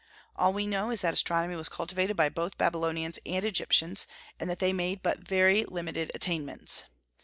All we know is that astronomy was cultivated by both Babylonians and Egyptians, and that they made but very limited attainments.